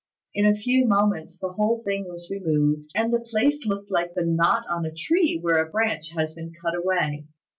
In a few moments the whole thing was removed, and the place looked like the knot on a tree where a branch has been cut away.